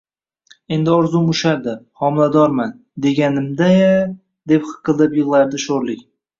Endi orzum ushaldi, homiladorman, deganimda-ya, deb hiqqilab yig`lardi sho`rlik